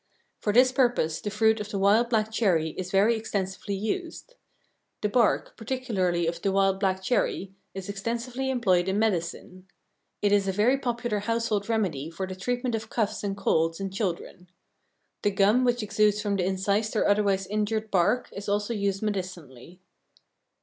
For this purpose the fruit of the wild black cherry is very extensively used. The bark, particularly of the wild black cherry, is extensively employed in medicine. It is a very popular household remedy for the treatment of coughs and colds in children. The gum which exudes from the incised or otherwise injured bark is also used medicinally.